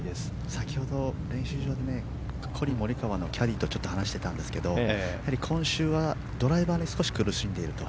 先ほど練習場でコリン・モリカワのキャディーと話していたんですが今週はドライバーで少し苦しんでると。